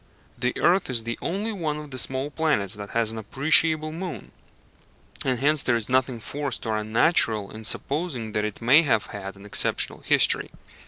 The earth is the only one of the small planets that has an appreciable moon, and hence there is nothing forced or unnatural in supposing that it may have had an exceptional history.